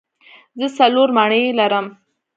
زه څلور مڼې لرم.